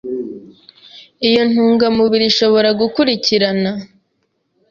Iyi ntungamubiri ishobora gukurikirana